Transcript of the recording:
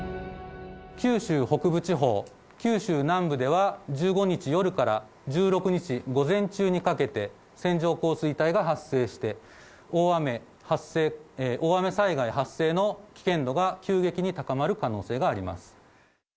九州北部地方、九州南部では、１５日夜から１６日午前中にかけて、線状降水帯が発生して、大雨災害発生の危険度が急激に高まる可能性があります。